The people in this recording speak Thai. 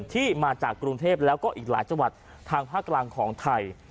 ที่มาจากกรุงเทพแล้วก็อีกหลายจังหวัดทางภาคกลางของไทย